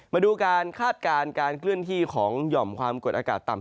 มาดูการคาดการณ์การเคลื่อนที่ของหย่อมความกดอากาศต่ำ